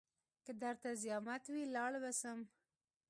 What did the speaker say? که درته زيامت وي لاړ به سم.